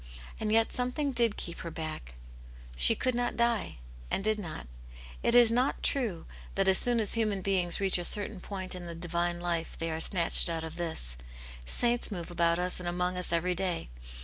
And yet something did keep her back; "she could not die,'* «nd ^v^ uo\. It is not Aunt yane^s Hero. i6i true that as soon as human beings reach a certain •point in the divine life they are snatched out of this: saints move about us and among us every day.